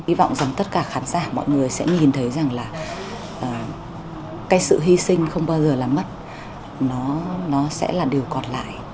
hy vọng rằng tất cả khán giả mọi người sẽ nhìn thấy rằng là cái sự hy sinh không bao giờ là mất nó sẽ là điều còn lại